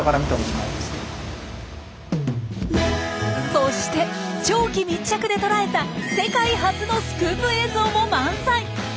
そして長期密着で捉えた世界初のスクープ映像も満載！